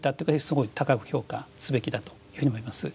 すごい高く評価すべきだというふうに思います。